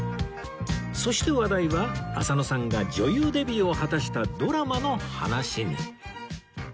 そして話題は浅野さんが女優デビューを果たしたドラマの話に